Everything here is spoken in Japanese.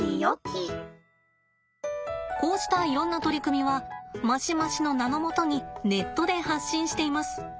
こうしたいろんな取り組みはマシマシの名のもとにネットで発信しています。